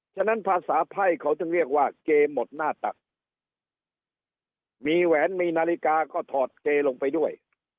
ฉะนั้นภาษาไพ่เขาถึงเรียกว่าเกหมดหน้าตักมีแหวนมีนาฬิกาก็ถอดเกลงไปด้วย